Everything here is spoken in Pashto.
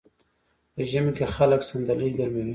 په ژمي کې خلک صندلۍ ګرموي.